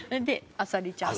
『あさりちゃん』！